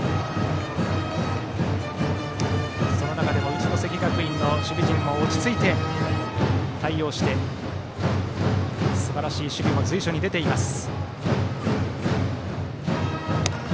その中でも一関学院の守備陣は落ち着いて対応してすばらしい守備も随所に出ています。